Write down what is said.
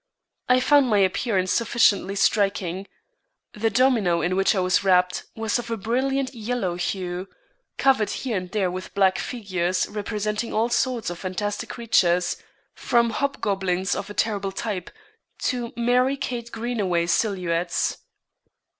I found my appearance sufficiently striking. The domino, in which I was wrapped was of a brilliant yellow hue, covered here and there with black figures representing all sorts of fantastic creatures, from hobgoblins of a terrible type, to merry Kate Greenaway silhouettes.